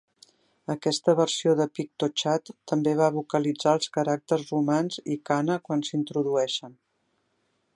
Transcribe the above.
Aquesta versió de PictoChat també va vocalitzar els caràcters romans i kana quan s'introdueixen.